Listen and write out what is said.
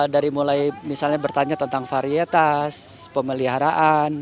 dari mulai misalnya bertanya tentang varietas pemeliharaan